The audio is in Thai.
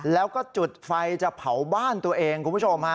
แล้วก็จุดไฟจะเผาบ้านตัวเองคุณผู้ชมฮะ